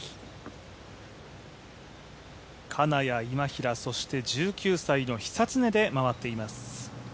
金谷、今平、そして１９歳の久常で回っています。